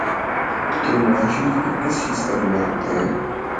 تو نواز شریف پھر کس چیز کا رونا رو رہے ہیں؟